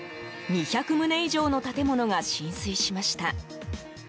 ２００棟以上の建物が浸水しました。